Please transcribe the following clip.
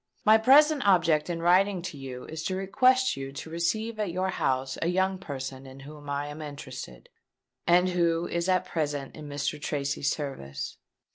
My present object in writing to you is to request you to receive at your house a young person in whom I am interested, and who is at present in Mr. Tracy's service.